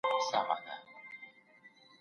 ما د سبا لپاره د نوټونو ليکل کړي دي.